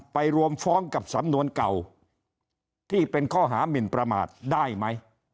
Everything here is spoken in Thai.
ไปรวมฟ้องกับสำนวนเก่าที่เป็นข้อหามินประมาทได้ไหม